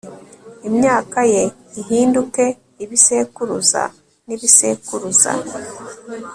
imyaka ye ihinduke ibisekuruza n'ibisekuruza